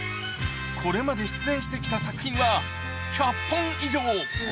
これまで出演してきた作品は１００本以上。